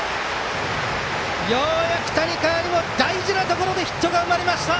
ようやく谷川にも大事なところでヒットが生まれました。